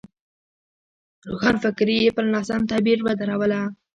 روښانفکري یې پر ناسم تعبیر ودروله.